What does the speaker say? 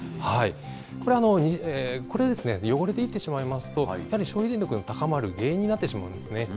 これ、これですね、汚れていってしまいますと、やはり消費電力が高まる原因になってしまうんですね。